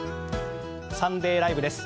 「サンデーＬＩＶＥ！！」です。